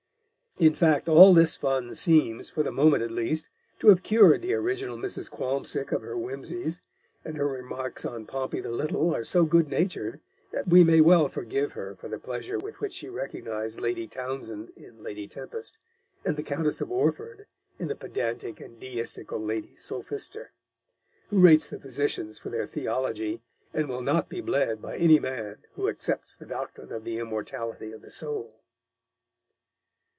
In fact, all this fun seems, for the moment at least, to have cured the original Mrs. Qualmsick of her whimsies, and her remarks on Pompey the Little are so good natured that we may well forgive her for the pleasure with which she recognised Lady Townshend in Lady Tempest and the Countess of Orford in the pedantic and deistical Lady Sophister, who rates the physicians for their theology, and will not be bled by any man who accepts the doctrine of the immortality of the soul.